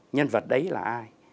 nhân vật đấy là ai